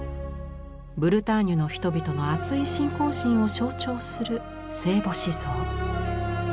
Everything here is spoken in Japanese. ブルターニュの人々のあつい信仰心を象徴する聖母子像。